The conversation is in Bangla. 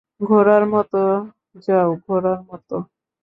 ঘোড়ার মতো যাও, ঘোড়ার মতো।